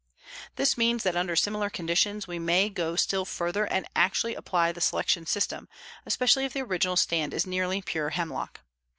This means that under similar conditions we may go still further and actually apply the selection system, especially if the original stand is nearly pure hemlock.